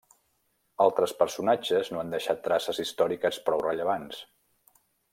Altres personatges no han deixat traces històriques prou rellevants.